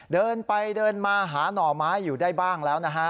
เดินไปเดินมาหาหน่อไม้อยู่ได้บ้างแล้วนะฮะ